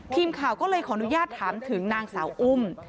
ทีมข่าวก็เลยขออนุญาตถามถึงนางสาวอุ้ม